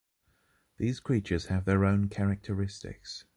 These creatures have their own characteristics.